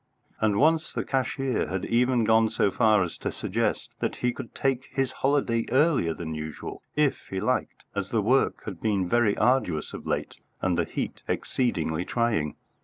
And once the cashier had even gone so far as to suggest that he could take his holiday earlier than usual if he liked, as the work had been very arduous of late and the heat exceedingly trying.